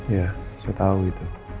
ya saya tahu itu